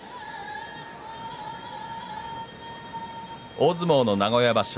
大相撲名古屋場所